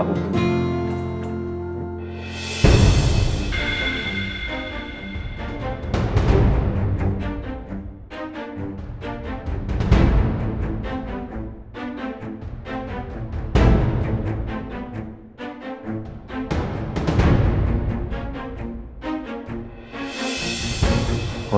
tante aku mau berbicara